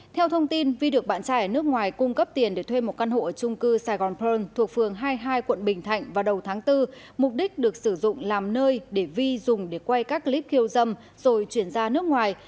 theo thông tin vi được bạn trai ở nước ngoài cung cấp tiền để thuê một căn hộ ở trung cư sài gòn pearl thuộc phường hai mươi hai quận bình thạnh vào đầu tháng bốn mục đích được sử dụng làm nơi để vi dùng để quay các clip hiêu dâm rồi chuyển ra nước ngoài